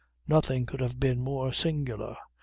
Nothing could have been more singular.